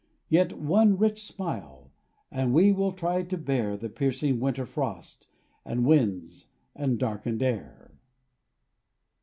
Yet one rich smile, and we will try to bear The piercing winter frost, and winds, and darkened air.